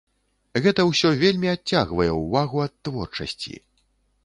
Гэта ўсё вельмі адцягвае ўвагу ад творчасці.